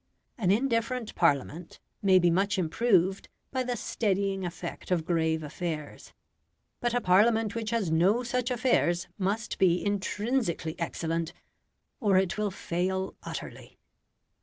An indifferent Parliament may be much improved by the steadying effect of grave affairs; but a Parliament which has no such affairs must be intrinsically excellent, or it will fail utterly.